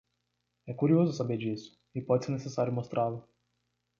É curioso saber disso, e pode ser necessário mostrá-lo.